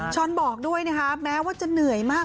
ช้อนบอกด้วยนะคะแม้ว่าจะเหนื่อยมาก